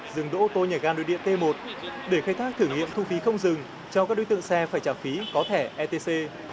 dừng đỗ ô tô nhà ga đối điện t một để khai thác thử nghiệm thu phí không dừng cho các đối tượng xe phải trả phí có thẻ etc